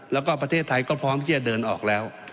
แล้วก็ประเทศไทยก็พร้อมที่จะเดินออกแล้ว